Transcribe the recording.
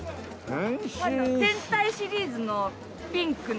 戦隊シリーズのピンクの。